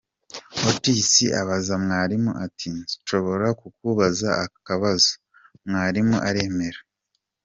Otis abaza mwarimu ati ”Nshobora kukubaza akabazo ?“ Mwarimu aremera.